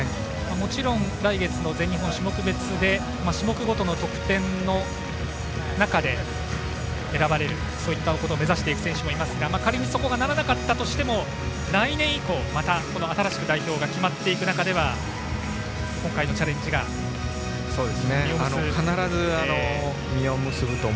もちろん来月の全日本種目別で種目ごとの得点の中で選ばれる、そういったことを目指していく選手たちもいますが仮にそこで、ならなくても来年以降また新しく代表が決まっていく中では今回のチャレンジが実を結ぶかと。